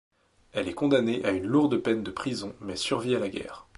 Elle est condamnée à une lourde peine de prison mais survit à la guerre.